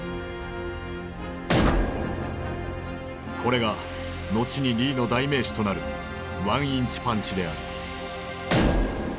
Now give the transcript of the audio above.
これが後にリーの代名詞となる「ワンインチパンチ」である。